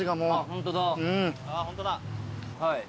ホントだ。